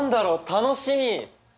楽しみ！